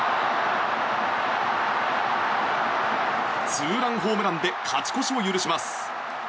ツーランホームランで勝ち越しを許します。